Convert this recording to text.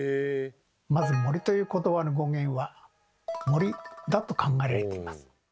まず「森」ということばの語源は「盛り」だと考えられています。